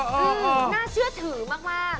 คือน่าเชื่อถือมาก